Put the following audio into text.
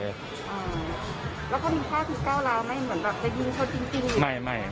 แล้วก็มี๕๙ล้านไม่เหมือนแบบจะยิงเท่าจริง